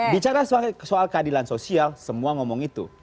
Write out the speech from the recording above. bicara soal keadilan sosial semua ngomong itu